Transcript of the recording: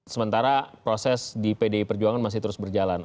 sementara proses di pdi perjuangan masih terus berjalan